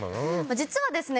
実はですね